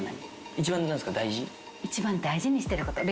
一番大事にしてること。